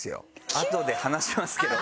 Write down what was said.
あとで話しますけどね。